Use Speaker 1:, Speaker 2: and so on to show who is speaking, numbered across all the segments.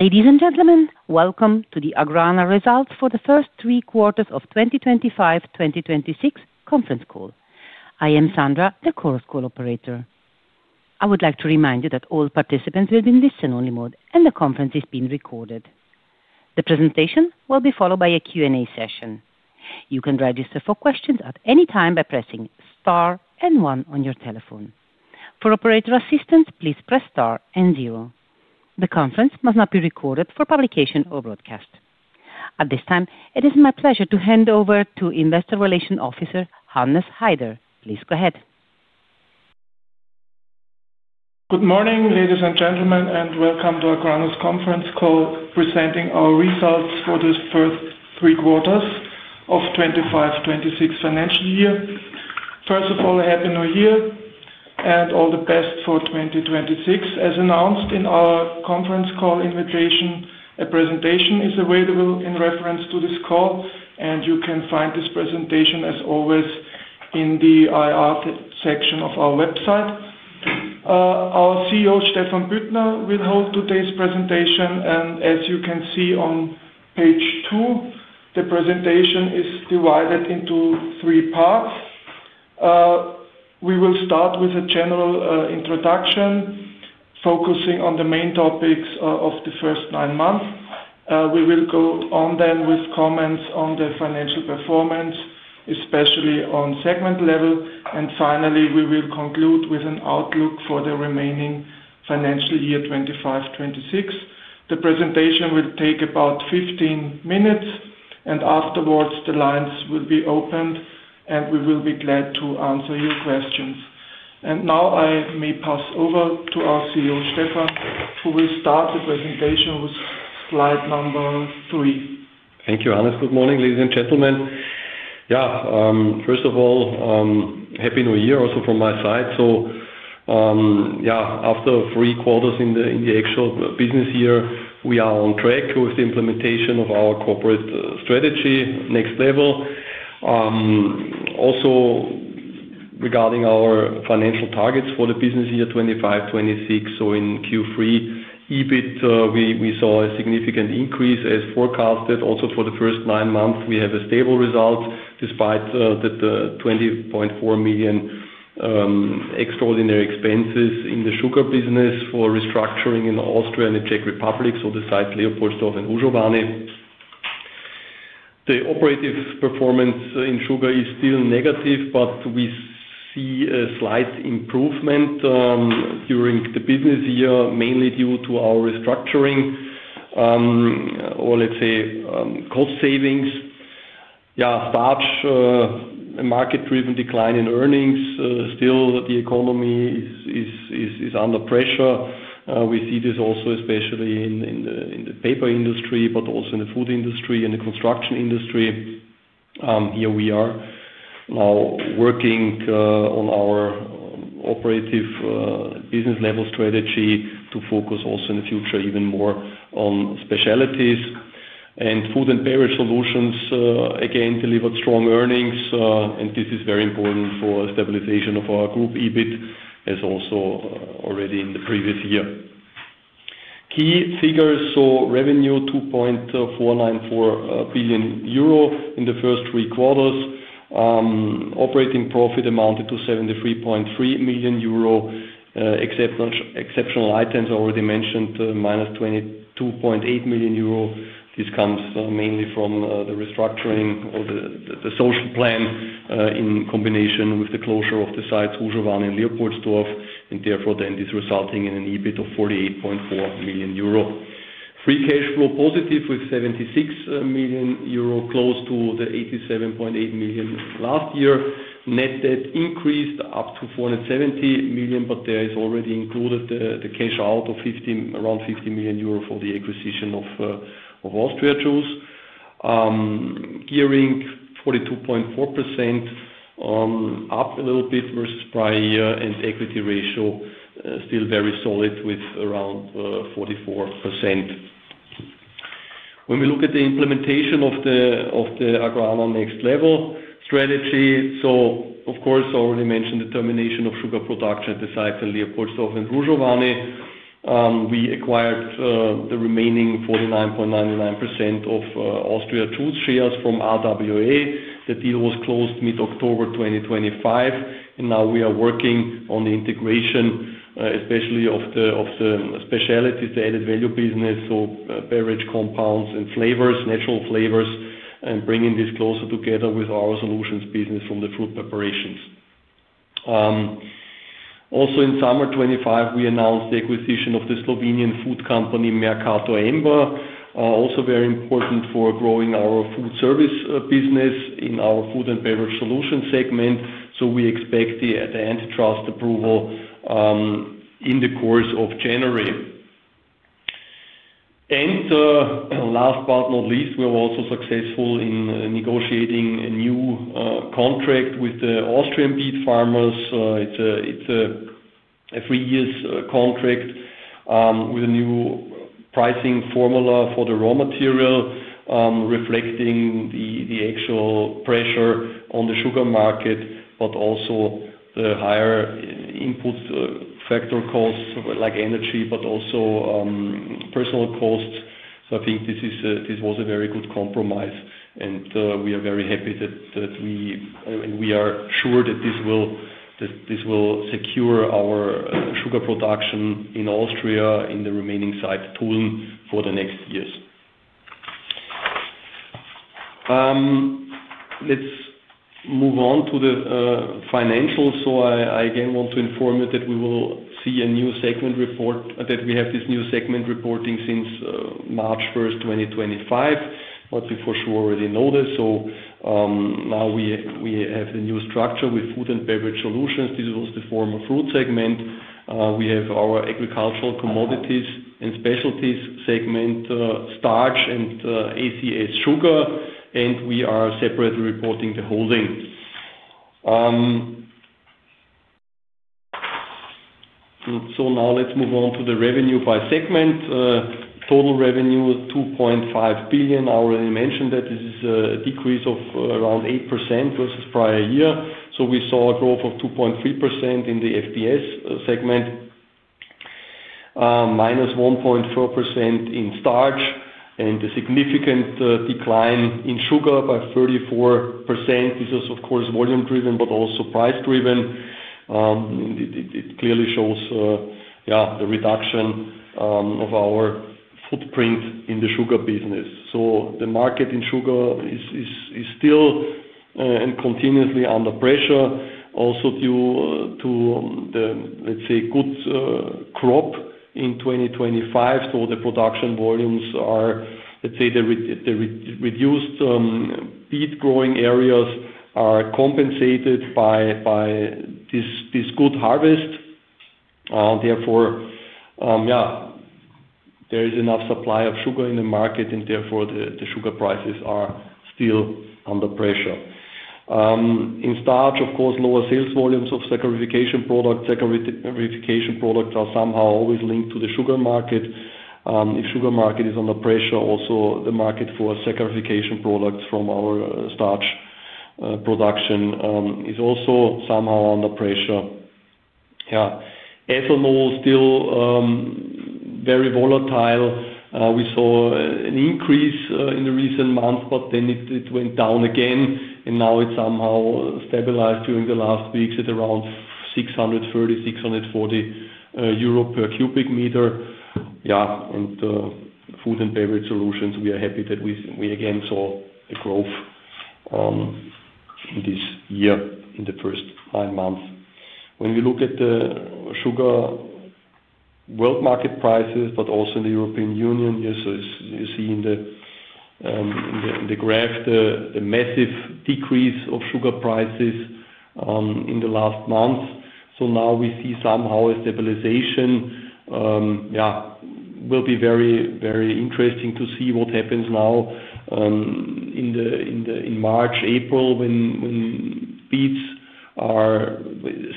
Speaker 1: Ladies and gentlemen, welcome to the AGRANA results for the first three quarters of 2025-2026 conference call. I am Sandra, the Chorus Call operator. I would like to remind you that all participants will be in listen-only mode, and the conference is being recorded. The presentation will be followed by a Q&A session. You can register for questions at any time by pressing star and one on your telephone. For operator assistance, please press star and zero. The conference must not be recorded for publication or broadcast. At this time, it is my pleasure to hand over to Investor Relations Officer, Hannes Haider. Please go ahead.
Speaker 2: Good morning, ladies and gentlemen, and welcome to AGRANA's conference call presenting our results for the first three quarters of 2025-2026 financial year. First of all, a happy new year and all the best for 2026. As announced in our conference call invitation, a presentation is available in reference to this call, and you can find this presentation, as always, in the IR section of our website. Our CEO, Stephan Büttner, will hold today's presentation, and as you can see on page two, the presentation is divided into three parts. We will start with a general introduction focusing on the main topics of the first nine months. We will go on then with comments on the financial performance, especially on segment level. And finally, we will conclude with an outlook for the remaining financial year 2025-2026. The presentation will take about 15 minutes, and afterwards, the lines will be opened, and we will be glad to answer your questions. Now I may pass over to our CEO, Stephan, who will start the presentation with slide number three.
Speaker 3: Thank you, Hannes. Good morning, ladies and gentlemen. Yeah, first of all, happy new year also from my side. So yeah, after three quarters in the actual business year, we are on track with the implementation of our corporate strategy, NEXT LEVEL. Also regarding our financial targets for the business year 2025-2026, so in Q3, EBIT, we saw a significant increase as forecasted. Also for the first nine months, we have a stable result despite the 20.4 million extraordinary expenses in the sugar business for restructuring in Austria and the Czech Republic, so the sites Leopoldstorf and Hrušovany. The operative performance in sugar is still negative, but we see a slight improvement during the business year, mainly due to our restructuring or, let's say, cost savings. Yeah, a large market-driven decline in earnings. Still, the economy is under pressure. We see this also especially in the paper industry, but also in the food industry and the construction industry. Here we are now working on our operative business-level strategy to focus also in the future even more on specialties. And Food & Beverage Solutions, again, delivered strong earnings, and this is very important for stabilization of our group EBIT, as also already in the previous year. Key figures: so revenue, 2.494 billion euro in the first three quarters. Operating profit amounted to 73.3 million euro. Exceptional items I already mentioned, 22.8 million euro. This comes mainly from the restructuring or the social plan in combination with the closure of the sites Hrušovany and Leopoldstorf, and therefore then this resulting in an EBIT of 48.4 million euro. Free cash flow positive with 76 million euro close to the 87.8 million last year. Net debt increased up to 470 million, but there is already included the cash out of around 50 million euro for the acquisition of Austria Juice. Gearing 42.4%, up a little bit versus prior year, and equity ratio still very solid with around 44%. When we look at the implementation of the AGRANA NEXT LEVEL strategy, so of course, I already mentioned the termination of sugar production at the sites in Leopoldstorf and Hrušovany. We acquired the remaining 49.99% of Austria Juice shares from RWA. The deal was closed mid-October 2025, and now we are working on the integration, especially of the specialties, the added value business, so beverage compounds and flavors, natural flavors, and bringing this closer together with our Solutions business from the fruit preparations. Also in summer 2025, we announced the acquisition of the Slovenian food company Mercator-Emba, also very important for growing our food service business in our Food & Beverage Solutions segment. So we expect the antitrust approval in the course of January. And last but not least, we were also successful in negotiating a new contract with the Austrian beet farmers. It's a three-year contract with a new pricing formula for the raw material, reflecting the actual pressure on the sugar market, but also the higher input factor costs like energy, but also personal costs. So I think this was a very good compromise, and we are very happy that we are sure that this will secure our sugar production in Austria in the remaining site, Tulln, for the next years. Let's move on to the financials. So I again want to inform you that we will see a new segment report, that we have this new segment reporting since March 1, 2025, but we for sure already know this. So now we have a new structure with Food & Beverage Solutions. This was the former fruit segment. We have our agricultural Commodities & Specialties segment, starch and ACS sugar, and we are separately reporting the whole thing. So now let's move on to the revenue by segment. Total revenue, 2.5 billion. I already mentioned that this is a decrease of around 8% versus prior year. So we saw a growth of 2.3% in the FBS segment, -1.4% in starch, and a significant decline in sugar by 34%. This is, of course, volume-driven, but also price-driven. It clearly shows, yeah, the reduction of our footprint in the sugar business. The market in sugar is still and continuously under pressure also due to the, let's say, good crop in 2025. The production volumes are, let's say, the reduced beet-growing areas are compensated by this good harvest. Therefore, yeah, there is enough supply of sugar in the market, and therefore the sugar prices are still under pressure. In starch, of course, lower sales volumes of saccharification products. Saccharification products are somehow always linked to the sugar market. If the sugar market is under pressure, also the market for saccharification products from our starch production is also somehow under pressure. Yeah, ethanol is still very volatile. We saw an increase in the recent months, but then it went down again, and now it's somehow stabilized during the last weeks at around 630-640 euro per cubic meter. Yeah, and Food & Beverage Solutions, we are happy that we again saw the growth this year in the first nine months. When we look at the sugar world market prices, but also in the European Union, you see in the graph the massive decrease of sugar prices in the last months. So now we see somehow a stabilization. Yeah, it will be very, very interesting to see what happens now in March, April when beets are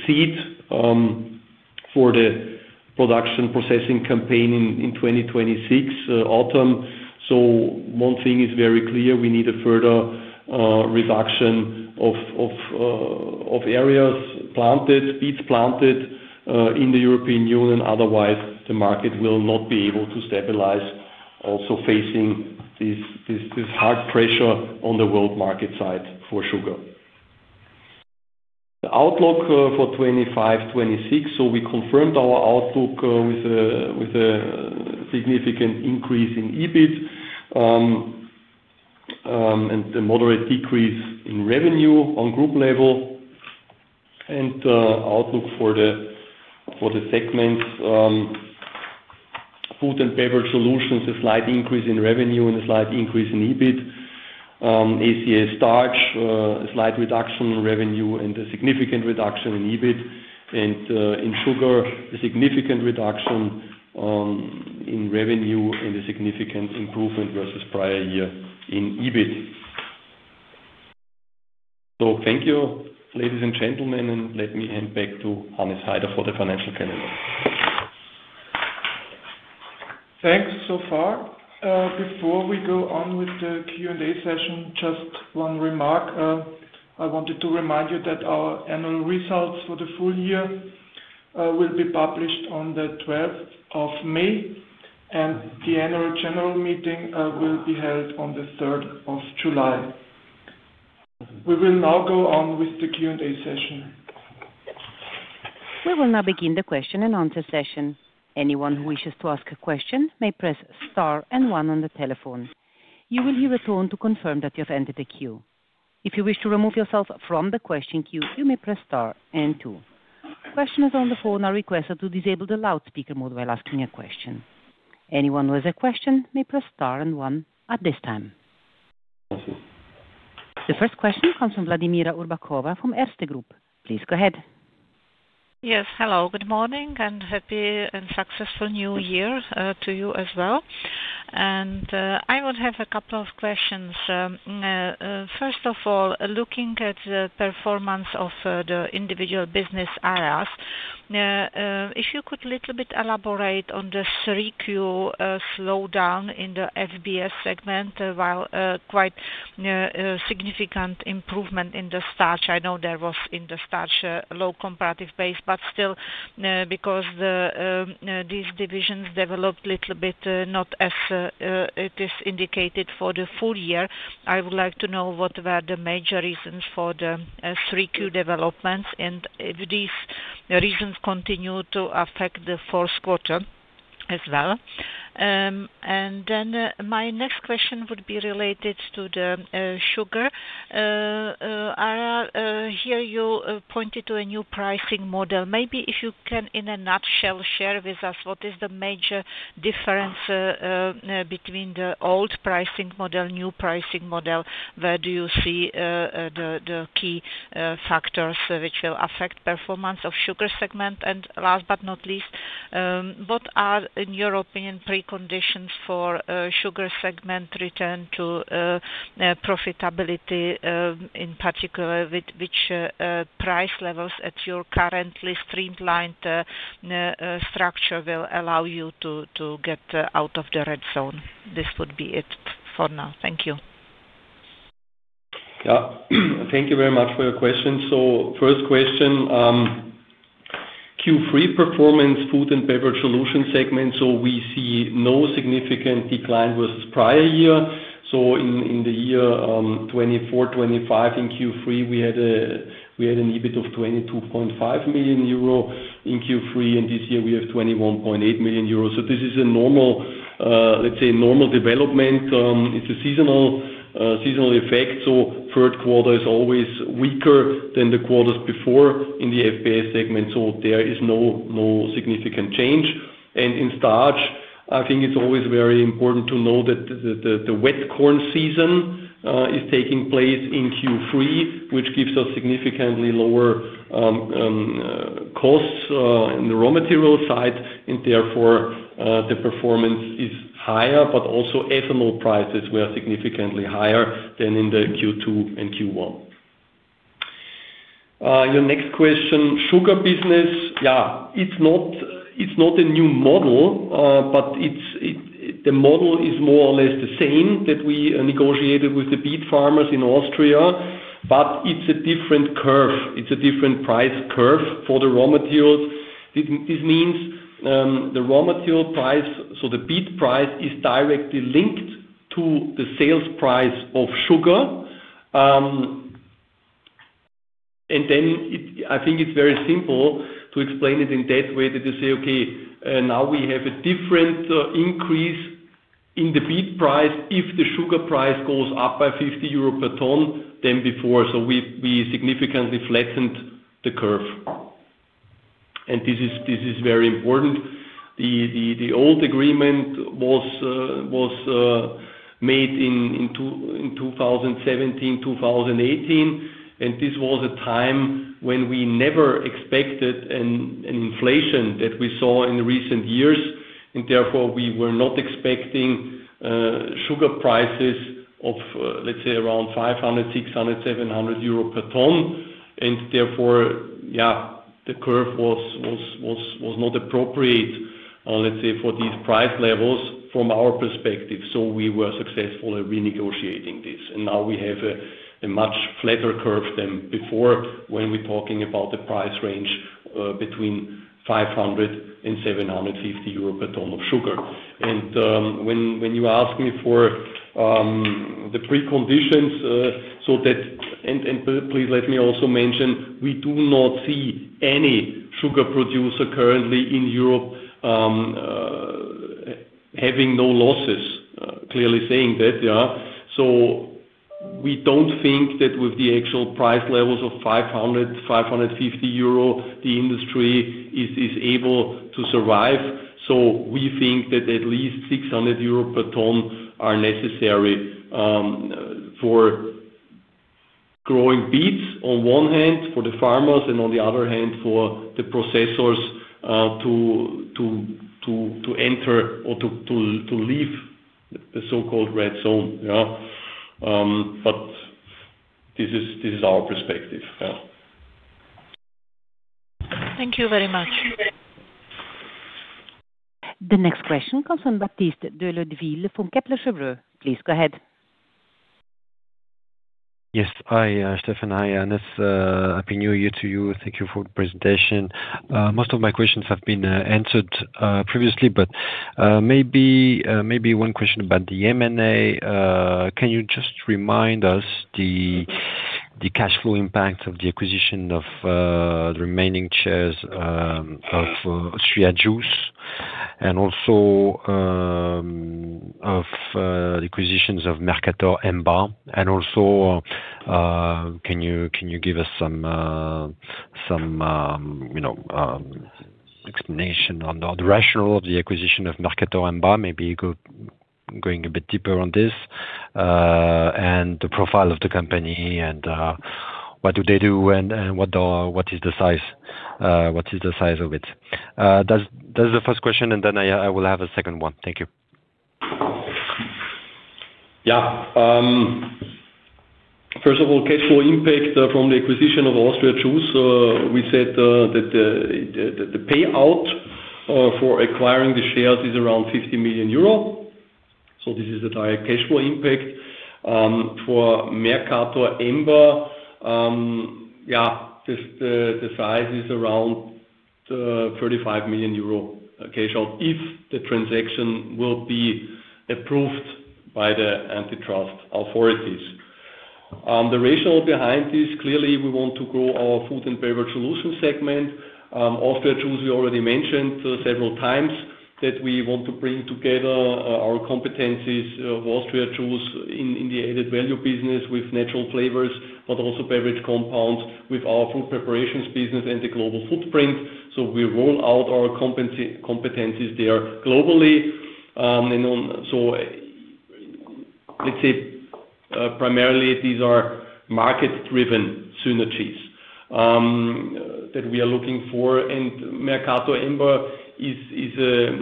Speaker 3: seeded for the production processing campaign in 2026 autumn. So one thing is very clear: we need a further reduction of areas planted, beets planted in the European Union. Otherwise, the market will not be able to stabilize, also facing this hard pressure on the world market side for sugar. The outlook for 2025-2026, so we confirmed our outlook with a significant increase in EBIT and a moderate decrease in revenue on group level. And, outlook for the segments: Food & Beverage Solutions, a slight increase in revenue and a slight increase in EBIT. ACS Starch, a slight reduction in revenue and a significant reduction in EBIT. And in Sugar, a significant reduction in revenue and a significant improvement versus prior year in EBIT. So, thank you, ladies and gentlemen, and let me hand back to Hannes Haider for the financial calendar.
Speaker 2: Thanks so far. Before we go on with the Q&A session, just one remark. I wanted to remind you that our annual results for the full year will be published on the 12th of May, and the annual general meeting will be held on the 3rd of July. We will now go on with the Q&A session.
Speaker 1: We will now begin the question and answer session. Anyone who wishes to ask a question may press star and one on the telephone. You will hear a tone to confirm that you have entered the queue. If you wish to remove yourself from the question queue, you may press star and two. Questioners on the phone are requested to disable the loudspeaker mode while asking a question. Anyone who has a question may press star and one at this time. The first question comes from Vladimira Urbankova from Erste Group. Please go ahead.
Speaker 4: Yes, hello. Good morning and happy and successful new year to you as well. And I will have a couple of questions. First of all, looking at the performance of the individual business areas, if you could a little bit elaborate on the 3Q slowdown in the FBS segment while quite significant improvement in the starch. I know there was in the starch a low comparative base, but still, because these divisions developed a little bit not as it is indicated for the full year, I would like to know what were the major reasons for the 3Q developments and if these reasons continue to affect the fourth quarter as well. And then my next question would be related to the sugar area. Here you pointed to a new pricing model. Maybe if you can, in a nutshell, share with us what is the major difference between the old pricing model, new pricing model, where do you see the key factors which will affect performance of sugar segment? And last but not least, what are, in your opinion, preconditions for sugar segment return to profitability, in particular, with which price levels at your currently streamlined structure will allow you to get out of the red zone? This would be it for now. Thank you.
Speaker 3: Yeah, thank you very much for your questions. So first question, Q3 performance, food and beverage solution segment, so we see no significant decline versus prior year. So in the year 2024, 2025, in Q3, we had an EBIT of 22.5 million euro in Q3, and this year we have 21.8 million euro. So this is a normal, let's say, normal development. It's a seasonal effect. So third quarter is always weaker than the quarters before in the FBS segment, so there is no significant change. And in starch, I think it's always very important to know that the wet corn season is taking place in Q3, which gives us significantly lower costs in the raw material side, and therefore the performance is higher, but also ethanol prices were significantly higher than in the Q2 and Q1. Your next question, sugar business, yeah, it's not a new model, but the model is more or less the same that we negotiated with the beet farmers in Austria, but it's a different curve. It's a different price curve for the raw materials. This means the raw material price, so the beet price, is directly linked to the sales price of sugar. And then I think it's very simple to explain it in that way that you say, "Okay, now we have a different increase in the beet price if the sugar price goes up by 50 euro per ton than before." So we significantly flattened the curve. And this is very important. The old agreement was made in 2017, 2018, and this was a time when we never expected an inflation that we saw in recent years, and therefore we were not expecting sugar prices of, let's say, around 500, 600, 700 euro per ton. And therefore, yeah, the curve was not appropriate, let's say, for these price levels from our perspective. So we were successful at renegotiating this, and now we have a much flatter curve than before when we're talking about the price range between 500 and 750 euro per ton of sugar. And when you ask me for the preconditions, so that, and please let me also mention, we do not see any sugar producer currently in Europe having no losses, clearly saying that, yeah. So we don't think that with the actual price levels of 500, 550 euro, the industry is able to survive. So we think that at least 600 euro per ton are necessary for growing beets on one hand for the farmers and on the other hand for the processors to enter or to leave the so-called red zone, yeah. But this is our perspective, yeah.
Speaker 4: Thank you very much.
Speaker 1: The next question comes from Baptiste de Leudeville from Kepler Chevreux. Please go ahead.
Speaker 5: Yes, hi Stephan, hi, Hannes. Happy New Year to you. Thank you for the presentation. Most of my questions have been answered previously, but maybe one question about the M&A. Can you just remind us the cash flow impact of the acquisition of the remaining shares of Austria Juice and also of the acquisitions of Mercator-Emba? And also, can you give us some explanation on the rationale of the acquisition of Mercator-Emba? Maybe going a bit deeper on this and the profile of the company and what do they do and what is the size? What is the size of it? That's the first question, and then I will have a second one. Thank you.
Speaker 3: Yeah. First of all, cash flow impact from the acquisition of Austria Juice, we said that the payout for acquiring the shares is around 50 million euro. So this is the direct cash flow impact. For Mercator-Emba, yeah, the size is around 35 million euro cash out if the transaction will be approved by the antitrust authorities. The rationale behind this, clearly, we want to grow our Food & Beverage Solutions segment. Austria Juice, we already mentioned several times that we want to bring together our competencies of Austria Juice in the added value business with natural flavors, but also beverage compounds with our food preparations business and the global footprint. So we roll out our competencies there globally. And so let's say primarily these are market-driven synergies that we are looking for. And Mercator-Emba is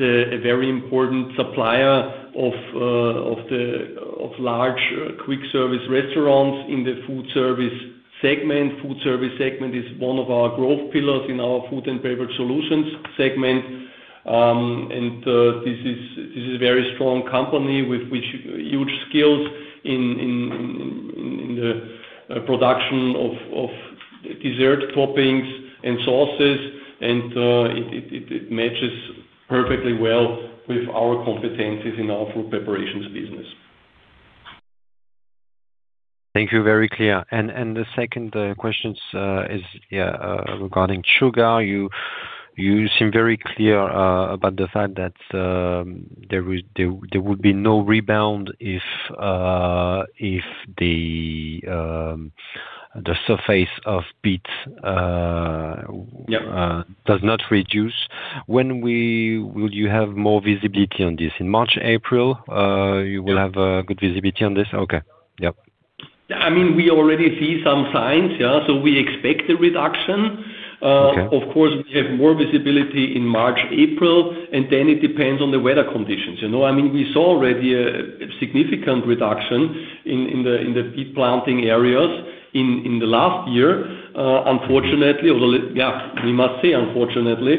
Speaker 3: a very important supplier of large quick-service restaurants in the food service segment. Food service segment is one of our growth pillars in our Food & Beverage Solutions segment, and this is a very strong company with huge skills in the production of dessert toppings and sauces, and it matches perfectly well with our competencies in our food preparations business.
Speaker 5: Thank you. Very clear. And the second question is regarding sugar. You seem very clear about the fact that there would be no rebound if the surface of beets does not reduce. When will you have more visibility on this? In March, April, you will have good visibility on this? Okay. Yeah.
Speaker 3: Yeah. I mean, we already see some signs, yeah, so we expect a reduction. Of course, we have more visibility in March, April, and then it depends on the weather conditions. I mean, we saw already a significant reduction in the beet planting areas in the last year. Unfortunately, or yeah, we must say unfortunately,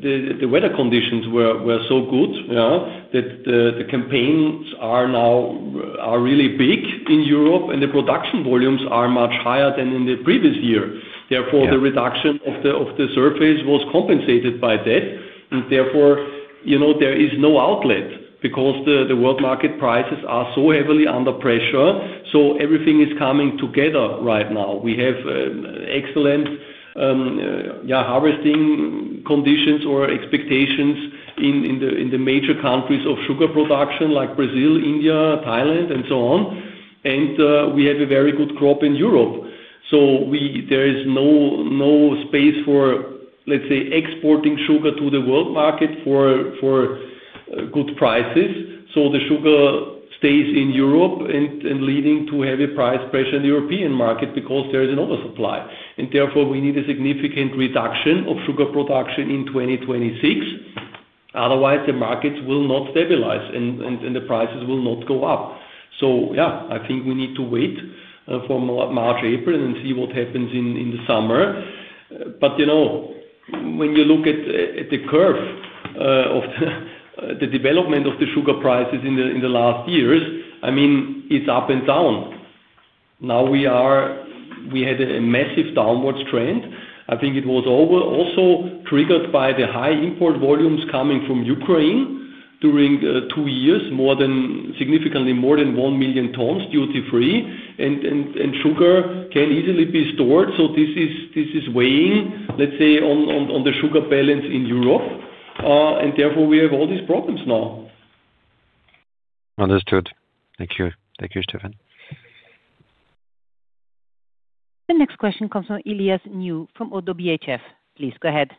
Speaker 3: the weather conditions were so good, yeah, that the campaigns are now really big in Europe, and the production volumes are much higher than in the previous year. Therefore, the reduction of the surface was compensated by that, and therefore there is no outlet because the world market prices are so heavily under pressure, so everything is coming together right now. We have excellent, yeah, harvesting conditions or expectations in the major countries of sugar production like Brazil, India, Thailand, and so on, and we have a very good crop in Europe. So there is no space for, let's say, exporting sugar to the world market for good prices. So the sugar stays in Europe and leading to heavy price pressure in the European market because there is an oversupply. And therefore, we need a significant reduction of sugar production in 2026. Otherwise, the markets will not stabilize and the prices will not go up. So yeah, I think we need to wait for March, April, and then see what happens in the summer. But when you look at the curve of the development of the sugar prices in the last years, I mean, it's up and down. Now we had a massive downward trend. I think it was also triggered by the high import volumes coming from Ukraine during two years, significantly more than one million tons duty-free. And sugar can easily be stored. So this is weighing, let's say, on the sugar balance in Europe. And therefore, we have all these problems now.
Speaker 5: Understood. Thank you. Thank you, Stephan.
Speaker 1: The next question comes from Elias New from ODDO BHF. Please go ahead.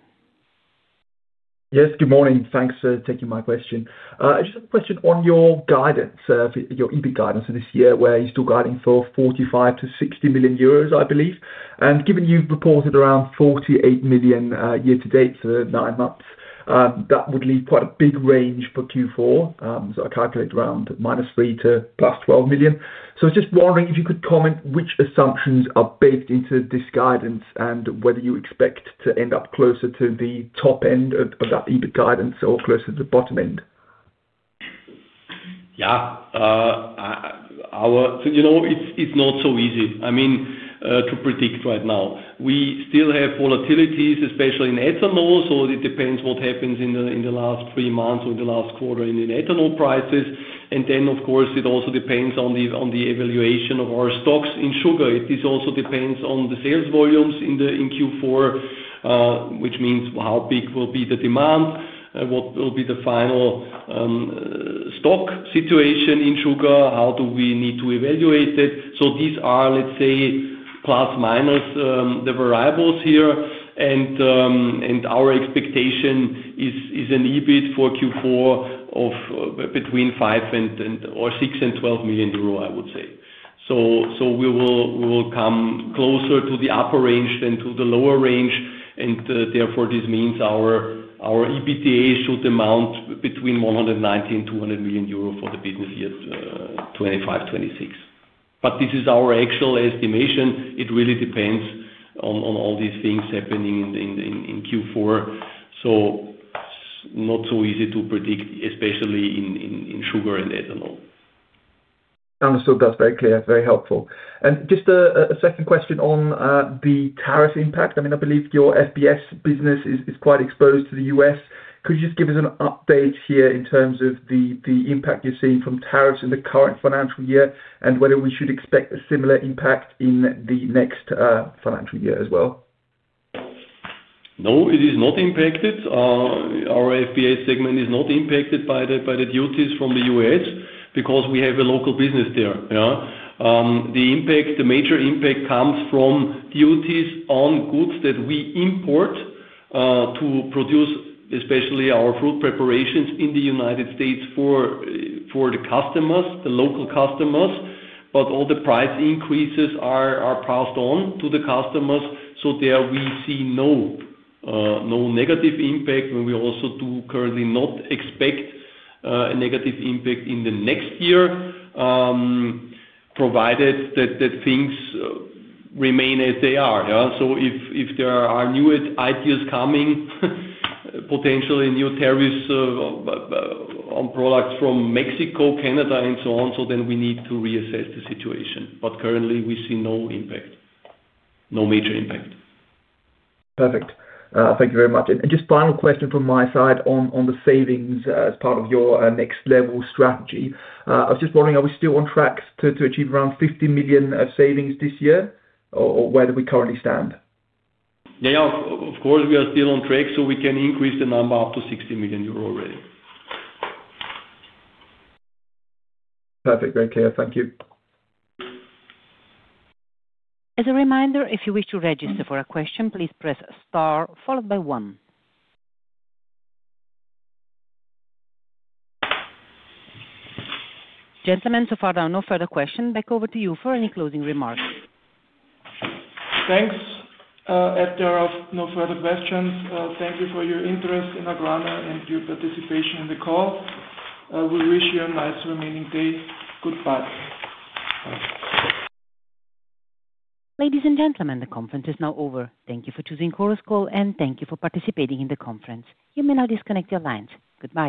Speaker 6: Yes, good morning. Thanks for taking my question. I just have a question on your guidance, your EBIT guidance for this year where you're still guiding for 45 million-60 million euros, I believe, and given you've reported around 48 million year to date for nine months, that would leave quite a big range for Q4, so I calculate around -3 million to +12 million, so just wondering if you could comment which assumptions are baked into this guidance and whether you expect to end up closer to the top end of that EBIT guidance or closer to the bottom end.
Speaker 3: Yeah. So it's not so easy, I mean, to predict right now. We still have volatilities, especially in ethanol. So it depends what happens in the last three months or the last quarter in ethanol prices. And then, of course, it also depends on the evaluation of our stocks in sugar. It also depends on the sales volumes in Q4, which means how big will be the demand, what will be the final stock situation in sugar, how do we need to evaluate it. So these are, let's say, plus minus the variables here. And our expectation is an EBIT for Q4 of between 6 and 12 million euro, I would say. So we will come closer to the upper range than to the lower range. And therefore, this means our EBITDA should amount between 190 and 200 million euro for the business year 2025, 2026. But this is our actual estimation. It really depends on all these things happening in Q4. So it's not so easy to predict, especially in sugar and ethanol.
Speaker 6: Understood. That's very clear. That's very helpful. And just a second question on the tariff impact. I mean, I believe your FBS business is quite exposed to the U.S. Could you just give us an update here in terms of the impact you're seeing from tariffs in the current financial year and whether we should expect a similar impact in the next financial year as well?
Speaker 3: No, it is not impacted. Our FBS segment is not impacted by the duties from the U.S. because we have a local business there. The major impact comes from duties on goods that we import to produce, especially our food preparations in the United States for the customers, the local customers. But all the price increases are passed on to the customers. So there we see no negative impact when we also do currently not expect a negative impact in the next year, provided that things remain as they are. So if there are new ideas coming, potentially new tariffs on products from Mexico, Canada, and so on, so then we need to reassess the situation. But currently, we see no impact, no major impact.
Speaker 6: Perfect. Thank you very much. And just final question from my side on the savings as part of your NEXT LEVEL strategy. I was just wondering, are we still on track to achieve around 50 million of savings this year, or where do we currently stand?
Speaker 3: Yeah, yeah. Of course, we are still on track. So we can increase the number up to 60 million euro already.
Speaker 6: Perfect. Very clear. Thank you.
Speaker 1: As a reminder, if you wish to register for a question, please press star followed by one. Gentlemen, so far, there are no further questions. Back over to you for any closing remarks.
Speaker 2: Thanks, as there is no further questions. Thank you for your interest in AGRANA and your participation in the call. We wish you a nice remaining day. Goodbye.
Speaker 1: Ladies and gentlemen, the conference is now over. Thank you for choosing Chorus Call, and thank you for participating in the conference. You may now disconnect your lines. Goodbye.